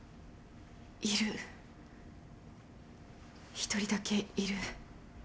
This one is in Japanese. いる１人だけいる。